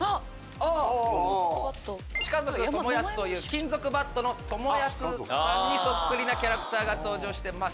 近属友保という金属バットの友保さんにそっくりなキャラクターが登場してます。